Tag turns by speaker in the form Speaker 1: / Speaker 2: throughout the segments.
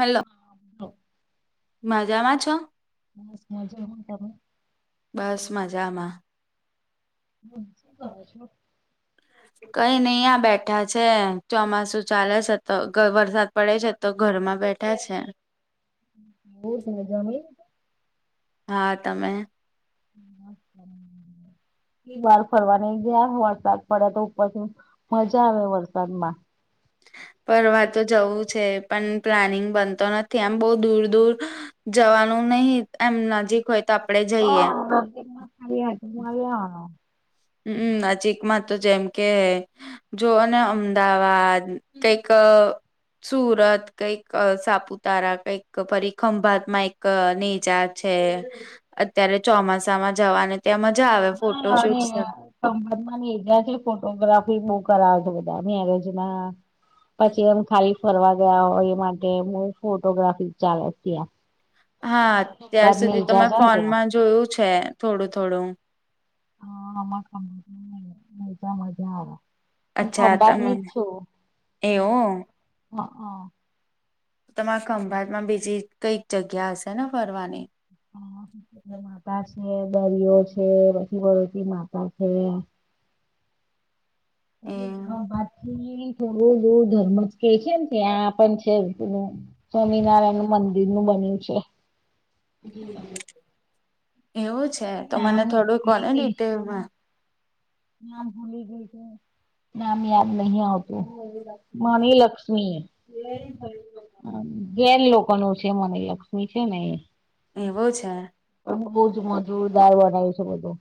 Speaker 1: Hello
Speaker 2: હા
Speaker 1: મજામાં છો
Speaker 2: બસ મજામાં તને
Speaker 1: બસ મજામાં
Speaker 2: હમ્મ શું કરો છો
Speaker 1: કઈ નય આ બેઠા છે ચોમાસુ ચાલે છે તો વરસાદ પડે છે તો ઘરમાં બેઠા છે
Speaker 2: બહુ જમે
Speaker 1: હા તમે
Speaker 2: બાર ફરવા નઈ ગયા વરસાદ પડ્યા તો ઉપર મજા આવે વરસાદમાં
Speaker 1: પર વાતો જવું છે પણ પ્લાનિંગ બનતો નથી આમ બહુ દૂર દૂર જવાનું નહિ એમ નજીક હોય તો આપડે જઈએ
Speaker 2: [unintelligible]
Speaker 1: હમ્મ નજીકમાં તો જેમ કે જોઓ ને અમદાવાદ કઈક સુરત કંઈક સાપુતારા કંઈક ફરી ખંભાતમાં એક નેજાત છે અત્યારે ચોમાસા માં જવાને ત્યાં મજા આવે ફોટોશૂટ છે.
Speaker 2: સંબંધ જા છે ફોટોગ્રાફી બઉુ કરાવે છે બધા મેરેજમાં પછી એમ ખાલી ફરવા ગયા હોય એ માટે ફોટોગ્રાફી ચાલે ત્યાં
Speaker 1: હા અત્યાર
Speaker 2: ખંભાત ને
Speaker 1: સુધી
Speaker 2: ઈજા
Speaker 1: તમે
Speaker 2: છે ને ત્યાં
Speaker 1: ફોનમાં જોયું છે થોડું થોડું
Speaker 2: હા આ [unintelligible] મજા મજા આવે
Speaker 1: અચ્છા તમે એવું
Speaker 2: [unintelligible]
Speaker 1: તમારે ખંભાત માં બીજી કઈક જગ્યા હશે ને ફરવાની
Speaker 2: હા માતા છે દરીઓ છે પછી બડોચ માતા છે બાથી થોડો ધર્મ જ કે છે ને ત્યાં પણ છે સ્વામિનારાયણ નું મંદિર નું બન્યું છે
Speaker 1: એવું છે તો
Speaker 2: નામ
Speaker 1: મને થોડું
Speaker 2: ભૂલી
Speaker 1: કોને
Speaker 2: ગઈ છું
Speaker 1: ડીટેલમાં
Speaker 2: નામ ભૂલી ગય છે નામ યાદ નહી આવતું માણી લક્ષ્મી જેન લોક [unintelligible] છે મને લક્ષ્મી છે ને એ
Speaker 1: એવો છે.
Speaker 2: ઊંઘ બઉ જ મ જોરદાર બનાવ્યું છે બધું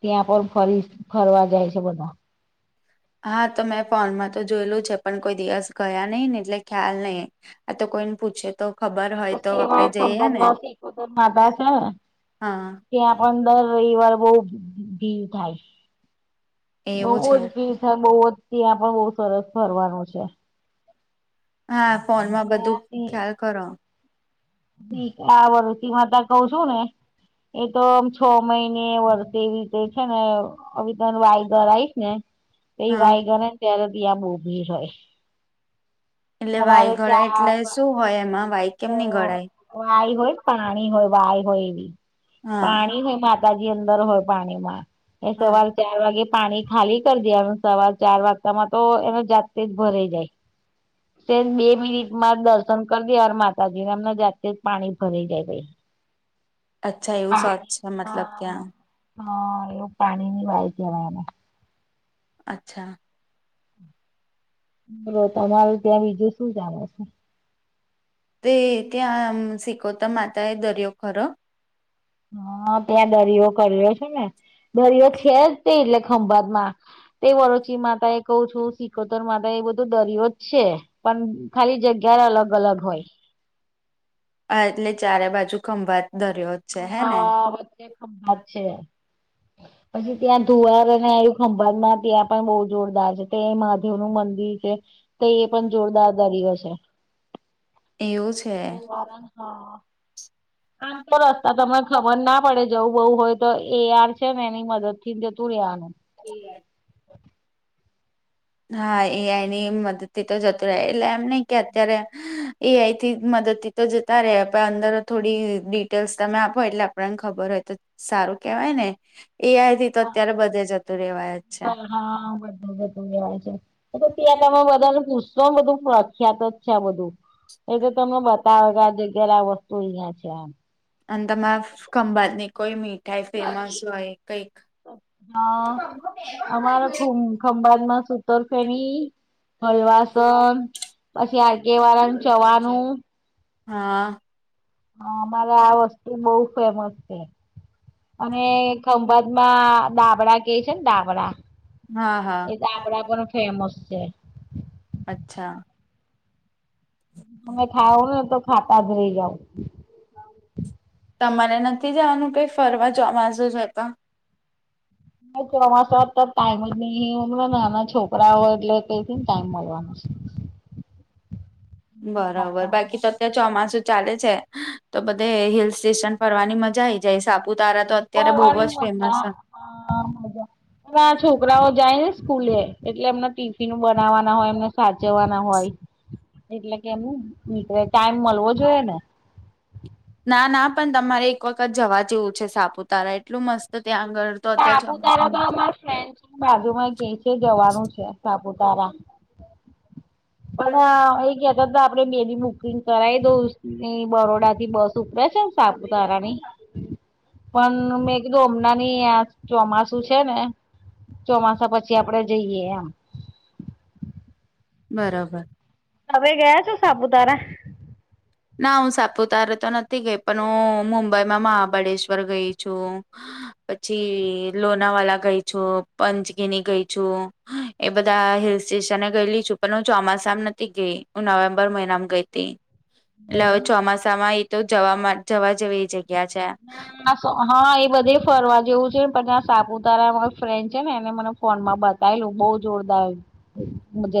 Speaker 2: ત્યાં પણ ફરી ફરવા જાય છે બધા.
Speaker 1: હા તો મેં ફોનમાં તો જોયેલું છે પણ કોઈ દિવસ ગયા નહી ને એટલે ખ્યાલ નય. આ તો કોઈન પૂછે તો. ખબર હોય તો આપડે જઈએ ને
Speaker 2: [unintelligible] માધા છે ન.
Speaker 1: હા.
Speaker 2: ત્યાં પન રવિવાર બહુ ભીડ થાય
Speaker 1: એવું
Speaker 2: બહુ
Speaker 1: છે
Speaker 2: જ ભીડ ત્યાં બહુ જ ત્યાં પણ બહુ સરસ ફરવાનું છે.
Speaker 1: હા ફોનમાં બધું ખ્યાલ ખરો.
Speaker 2: [unintelligible] માતા કઉ છું ને એ તોમ છો મહિને વર્તે એવી રીતે છે ને અવે તર વાઈગર આવીશ ને તો
Speaker 1: હા
Speaker 2: વાયગરને ત્યારે ત્યાં બહુ ભીડ હોય.
Speaker 1: એટલે વાય
Speaker 2: સવારે
Speaker 1: ગળાય એટલે
Speaker 2: ચાર
Speaker 1: શું હોય એમાં વાય કેમ ની ગડાય.
Speaker 2: વાઈ હોય પાણી હોય વાઈ હોય એવી
Speaker 1: હા
Speaker 2: પાણી હોય મા બાકી અંદર હોય પાણી માં એ
Speaker 1: હા
Speaker 2: સવાર ચાર વાગે પાણી ખાલી કરી દેવાનું સવાર ચાર વાગતામાં તો એનો જાતે જ ભરાઈ જાય. તે બે મિનિટમાં દર્શન કરી દેવાન માતાજી નામના જાતે જ પાણી ભરય જાય પહી.
Speaker 1: અચ્છા એવું
Speaker 2: પાણી
Speaker 1: સચ છે
Speaker 2: હા
Speaker 1: મતલબ ક્યાં.
Speaker 2: હા એવું પાણીની વાય છે [unintelligible]
Speaker 1: અચ્છા.
Speaker 2: બોલો તમારે ત્યાં બીજું શું ચાલે છે.
Speaker 1: તે ત્યા આમ શિકોતા માતાએ દરિયો ખરો?
Speaker 2: હા ત્યાં દરિયો કર્યો છે ને દરિયો છે જ તે એટલે ખંભાતમાં. તે વરોચી માતા એ કહું છું સિકોતર માતા એ બધું દરિયો જ છે પન ખાલી જગ્યા અલગ અલગ હોય.
Speaker 1: હા એટલે ચારે બાજુ ખંભાત દર્યો.
Speaker 2: હા વચ્ચે ખંભાત છે પછી ત્યાં ધુવારન આયુ. ખંભાતમાં ત્યાં પણ બહુ જોરદાર છે તે મહાદેવનું મંદિર છે. તો એ પણ જોરદાર દરીયો છે.
Speaker 1: એવું છ.
Speaker 2: ધુવારન હા. આમ તો રસ્તા તમને ખબર ના પડે જવું બહુ હોય તો એ આર છે ને એની મદદ થીન જતુ રેવાનું થી.
Speaker 1: હા એઆઇની મદદથી તો જતું રહે એટલે એમ નહિ કે અત્યારે એ આઈ થી મદદથી તો જતા રે પણ અંદર થોડી ડિટેલ્સ તમે આપો એટલે પણાન ખબર હોય તો સારું કેવાય ને એઆઈથી તો અત્યારે બધે જતું રેવાય જ છે.
Speaker 2: હા બધું બધું બરાવર છે ત્યાં તમે બધાને પૂછ તો બધું પ્રખ્યાત જ છે આ બધું એ તો તમેં બ તાવો કે આ જગ્યા વસ્તુ અહિયાં છે આમ.
Speaker 1: અન તમાર ખંભાતની કોઈ મીઠાઈ ફેમસ હોય કઈક.
Speaker 2: હા અમાર શું ખંભાતમાં સુતર ફેની હલવાસન પછી આરકે વાળાનું ચવાનું
Speaker 1: હા.
Speaker 2: હ અમારે આ વસ્તુ બહુ ફેમસ છે અને ખંભાતમાં દાબડા કે છે ને દાબડા.
Speaker 1: હા હા.
Speaker 2: એ તો આપડા પણ ફેમસ છે.
Speaker 1: અચ્છા.
Speaker 2: તમે ખાવો ને તો ખાતા જ રહી જાવ.
Speaker 1: તમારે નથી જવાનું કઈ ફરવા જવાજુ [unintelligible] જતા
Speaker 2: ચોમાસા ત- [unintelligible] ટાઈમ જ નહીને નાના છોકરા હોય એટલે તેથી ને ટાઈમ મળવાનો છે
Speaker 1: બરાબર બાકી તો અત્યારે ચોમાસું ચાલે છે તો બધે હિલ સ્ટેશન ફરવાની મજા આ આવી જાય સાપુતારા તો અત્યારે બહુ જ
Speaker 2: મજા
Speaker 1: ફેમસ છે.
Speaker 2: હ મજા છોકરાઓ જાય ને સ્કૂલે એટલે એમના ટિફિન બનાવવાના હોય એમને સાચવવાના હોય એટલે કેમ મ ટાઈમ મલ વો જોઈએ ને
Speaker 1: ના ના પણ તમારે એક વખત જવા જેવું છે સાપુતારા એટલું મસ્ત ત્યાં આગળ તો અત્યારે
Speaker 2: સાપુતારા તો
Speaker 1: ચોમાસામાં
Speaker 2: અમારા ફ્રેન્ડ બાજુમાં કે છે જવાનું છે સાપુતારા પણ અ ઈ કેતા તા આપણે બે બુકિંગ કરાવી દઉ [unintelligible] બરોડા થી બસ ઉપરે છે સાપુતારા ની
Speaker 1: [inaudible]
Speaker 2: પન મેં કીધું હમણાં ની યાર ચોમાસું છે ને ચોમાસા પછી પછી આપડે જઈએ એમ
Speaker 1: બરાબર
Speaker 2: તમે ગયા છો સાપુતારા
Speaker 1: ના હું સાપુતારે તો નથી ગઈ પણ હું મુંબઈમાં મહાબળેશ્વર ગઈ છું પછી અ લોનાવાલા ગઈ છું પંચગિની ગઈ છું એ બધા હિલ સ્ટેશન એ ગયેલી છું પણ હું ચોમાસા મ નતી ગઈ હું નવેમ્બર મહિનામ ગઈ તી એટલે હવે ચોમાસામાં એ તો જવા માં જવા જેવી જગ્યા છે
Speaker 2: હા એ બધે ફરવા જેવું છેને પણ નયા સાપુતારા મારો ફ્રેન્ડ છે ને એને મને ફોન માં બતાયલું બઉ જોરદાર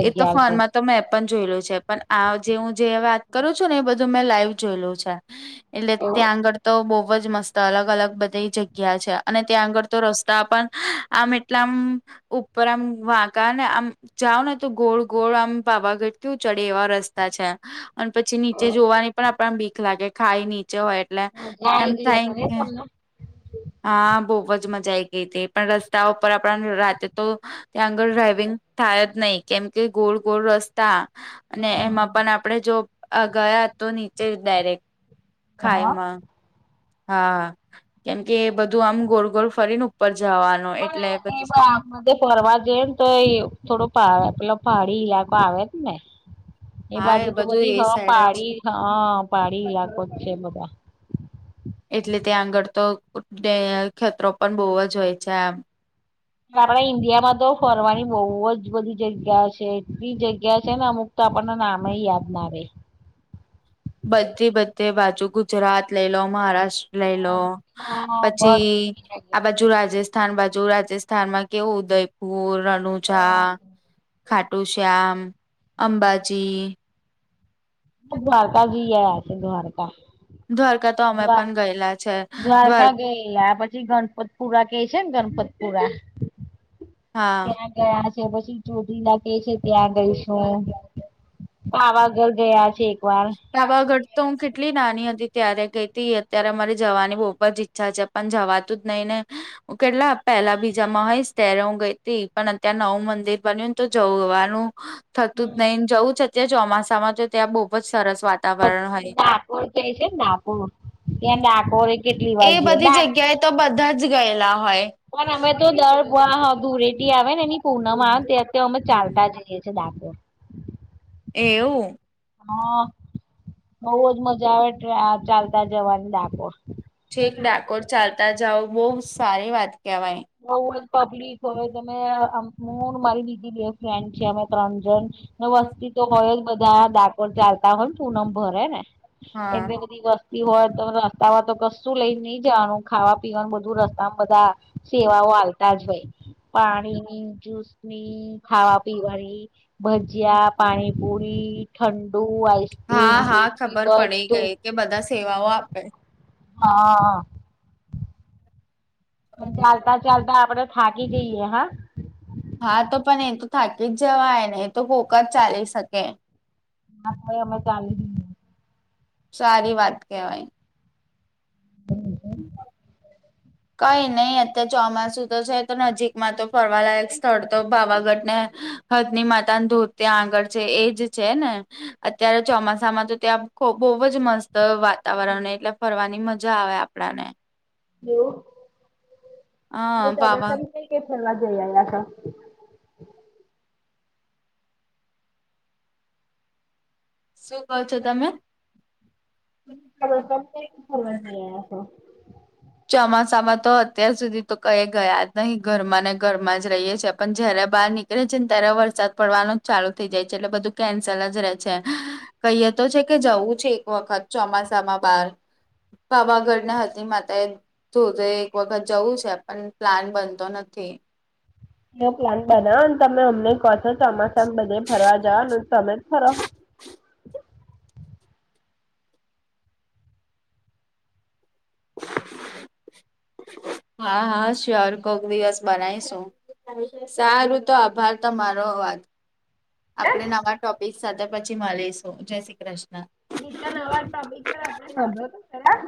Speaker 1: એ તો ફોન તો મે પ ન જોયલું છે પણ આ જે હું જે વાત કરું છું ને એ બધું મેં લાઈવ જોયેલું છે એટલે ત્યાં આગળ તો બહુ જ મસ્ત અલગ અલગ બધે ય જગ્યા છે અને ત્યાં આગળ તો રસ્તા પન આમ એટલા આમ ઉપર આમ વાંકા ને આમ જાવ ને તો ગોળ ગોળ આમ પાવાગઢ કેવું ચડીએ એવા રસ્તા છે અન પછી નીચે જોવાની પણ આપણ આમ બીક લાગે ખાઈ નીચે હોય એટલે એમ થાય કે હા બહુ જ મજા આઈ ગઈ હતી પણ રસ્તા ઉપર આપણા ને રાતે તો ત્યાં આગળ ડ્રાઈવિંગ થાય જ નહી કેમ કે ગોળ ગોળ રસ્તા અને એમાં પણ આપણેે જો અ ગયા તો નીચે ડાયરેક્ટ
Speaker 2: હા
Speaker 1: ખાઈમાં હા કેમ કે એ બધું આમ ગોળ ગોળ ફરીન ઉપર જવાનું એટલે
Speaker 2: પણ એ
Speaker 1: બધી
Speaker 2: એમાં [unintelligible] ફરવા જઈ ને તો એ થોડો પહા પેલો પહાડી ઈલાકો આવે ને એ
Speaker 1: હા
Speaker 2: બાજુ તો
Speaker 1: બધું
Speaker 2: બધી
Speaker 1: એ
Speaker 2: હવ
Speaker 1: સાઈડ જ છે
Speaker 2: પહાડી હ પહાડી ઈલાકો જ છે બધા
Speaker 1: એટલે ત્યાં આગળ તો [unintelligible] ખેતરો પણ બઉ જ હોય છે એમ
Speaker 2: આપણા ઇન્ડિયામાં તો ફરવાની બઉ જ બધી જગ્યા છે એટલી જગ્યા છે ને અમુક તો આપણને નામે ય યાદ ના રે
Speaker 1: બધી બધે બાજુ ગુજરાત લઈ લો મહારાષ્ટ્ર લઈ લો પછી આ બાજુ રાજસ્થાન બાજુ રાજસ્થાન માં કેવું ઉદયપુર રણુજા ખાટુ શ્યામ અંબાજી
Speaker 2: દ્વારકા બી ગયા છે દ્વારકા
Speaker 1: દ્વારકા તો અમે
Speaker 2: દ્વાર
Speaker 1: પણ ગયેલા છે. દ્વાર
Speaker 2: દ્વારકા ગએલા પછી ગણ ગણપતપુરા કે છે ને ગણપતપુરા
Speaker 1: હા
Speaker 2: ત્યાં ગયા છે પછી ચોટીલા કે છે ત્યાં ગઈ છું પાવાગઢ ગયા છે વાર
Speaker 1: પાવાગઢ તો હું કેટલી નાની હતી ત્યારે ગઈ તી અત્યારે મારી જવાની બહુ જ ઈચ્છા છે. અન જવાતું જ નહી ને. હું કેટલા પેલા બીજા મા હઈશ ત્યારે હું ગઈ તી પણ અત્યારે નવું મંદિર બન્યું તો જવાવા નું. થતું જ નહીને જવું છે અત્યારે ચોમાસામાં તો ત્યાં બઉ જ સરસ વાતાવરણ હોય.
Speaker 2: કો કઈ છે [unintelligible] ત્યાં ડાકોરે કેટલી વાર
Speaker 1: એ બધી જગ્યાએ તો બધા જ ગયેલા હોય.
Speaker 2: પણ અમે તો દર બ હા ધૂરેટી આવે ને એની પૂનમા આવે ત્યાં તો અમે ચાલતા જએ. એ છે ડાકોર.
Speaker 1: એવું.
Speaker 2: બઉુ જ મજા આવે ચ ચાલતા જવાની ડાકોર
Speaker 1: છેક ડાકોર ચાલતા જાઓ બહુ સારી વાત કેહેવાય.
Speaker 2: બહુ એ તકલીફ હોય તમે આમ. હું ને મારી બીજી બે ફેન્ડ છે અમારે ત્રણ જણ ન વસ્થી. તો હોય જ બધા ડાકોર ચાલતા હોય ને પુનમ ભરે ને.
Speaker 1: હા.
Speaker 2: એને બધી વસ્તી હોય તો. તાવા તો કશું લઈ નઈ જવાનું ખાવા પીવાનું બધું રસ્તામાં બધા સેવાઓ આલતા જ હોય પાણીની જુસની ખાવા પીવાની ભજીયા પાણીપુરી ઠંડુ આઈસ્ક્રીમ
Speaker 1: હા હા
Speaker 2: કુલ્ફી
Speaker 1: ખબર પડી ગઈ કે
Speaker 2: બધું.
Speaker 1: બધા સેવાઓ આપે
Speaker 2: હા. ચાલતા ચાલતા આપડે થાકી જઈએ હા.
Speaker 1: હા તો પણ એ તો થાકી જ જવાય ને એ તો કોક જ ચાલી શકે.
Speaker 2: ના તોએ અમે ચાલી. જઈએ
Speaker 1: સારી વાત કેહેવાય. હમ [inaudible] કઈ નહી અત્યારે ચોમાસું તો છે તો નજીકમાં તો ફરવાલાયક સ્થળ તો પાવાગઢ ને. હદની માતા ધોત આગળ છે એજ છે ને. અત્યારે ચોમાસામાં તો ત્યાં આકો બહુ જ મસ્ત વાતાવરણ એટલે ફરવાની મજા આવે. ના ને.
Speaker 2: એવું
Speaker 1: હા
Speaker 2: તમે
Speaker 1: પાવા
Speaker 2: ચોમાસા કઈ કઈ ફરવા જઈ આયા તા.
Speaker 1: શું કો છો. તમે
Speaker 2: હમે ફરતે સ્કુલ મા જી આયા તા.
Speaker 1: ચોમાસા માં તો અત્યાર સુધી તો કઈ ગયા જ નહી ઘરમાં ને ઘરમાં જ રહીએ છીએ પણ જયારે બહાર ની. એ ચિનતા્યારે વરસાદ પડવાનું ચાલુ થઇ જાય છે એટલે બધું કેન્સલ જ રે છે કહીએ તો છે કે જવું છે એક વખત ચોમાસામાં બાર પાવાગઢ ના હતી માતાએ. તું તો એક વખત જવું છે પણ પ્લાન બનતો નથી.
Speaker 2: એ પ્લાન બનાવો ને તમે અમને કહો છો ચોમાસામાં બધે ફરવા જાઓ ને તમે જ ફરો.
Speaker 1: હા હા સ્યોર કોક દિવસ બનાયશું. સારું તો આભાર તમારો વાજ. આપણે નવા ટોપિક સાથે પછી મળીશું જય શ્રી કૃષ્ણ.
Speaker 2: બીજા નવા ટોપિક પર આપણે હાભળ તો ખરા.